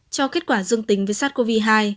cho kết quả dương tính với sars cov hai